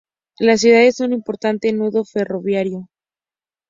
La ciudad es un importante nudo ferroviario.